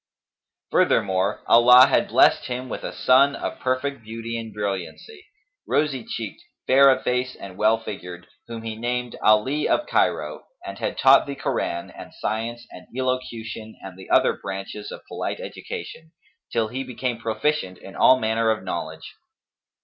Furthermore Allah had blessed him with a son of perfect beauty and brilliancy; rosy cheeked, fair of face and well figured, whom he named Ali of Cairo, and had taught the Koran and science and elocution and the other branches of polite education, till he became proficient in all manner of knowledge.